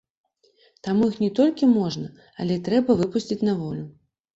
Таму іх не толькі можна, але і трэба выпусціць на волю.